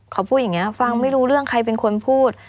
เขาพูดอย่างนี้ฟังไม่รู้เรื่องใครเป็นคนพูด